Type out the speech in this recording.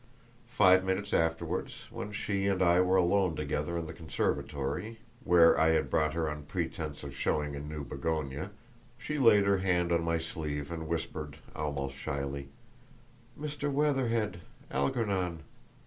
Five minutes afterward, when she and I were alone together in the conservatory, where I had brought her on pretence of showing a new begonia, she laid her hand on my sleeve and whispered, almost shyly, "Mr. Weatherhead—Algernon!